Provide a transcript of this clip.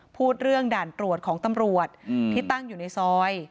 พูดเรื่องด่านตรวจของตำรวจที่ตั้งอยู่ในซอย